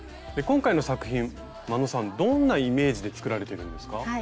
今回の作品眞野さんどんなイメージで作られてるんですか？